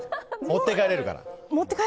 持って帰れるから。